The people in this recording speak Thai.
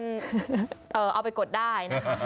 เดี๋ยวมีคนเอาไปกดได้นะคะ